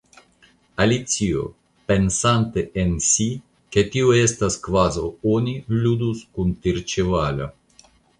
Alicio, pensante en si ke tio estas kvazaŭ oni ludus kun tirĉevalo.